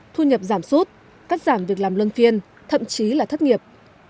thu nhập giảm sút cắt giảm việc làm luân phiên thậm chí là thất nghiệp